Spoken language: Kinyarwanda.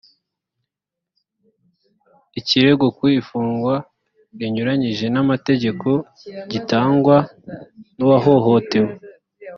ikirego ku ifungwa rinyuranyije n ‘amategeko gitangwa n ‘uwahohotewe.